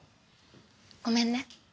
ごめんね。